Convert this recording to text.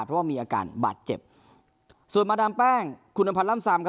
เพราะว่ามีอาการบาดเจ็บส่วนมาดามแป้งคุณอำพันธ์ล่ำซามครับ